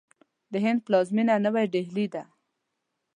د هند پلازمینه نوی ډهلي ده.